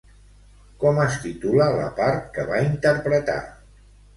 Com es titula la part que va interpretar?